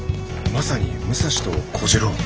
まさに武蔵と小次郎。